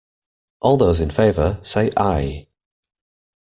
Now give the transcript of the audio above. All those in favour, say Aye.